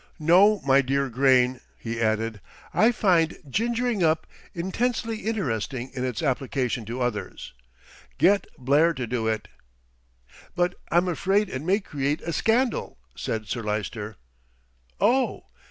"No, my dear Grayne," he added, "I find 'gingering up' intensely interesting in its application to others. Get Blair to do it." "But I'm afraid it may create a scandal," said Sir Lyster. "Oh!